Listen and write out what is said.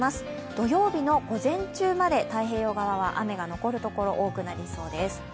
土曜日の午前中まで太平洋側は雨の残るところが多くなりそうです。